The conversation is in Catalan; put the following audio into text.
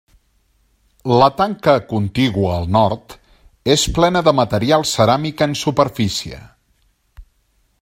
La tanca contigua al nord és plena de material ceràmic en superfície.